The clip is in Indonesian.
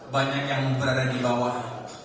banyak yang berada di bawah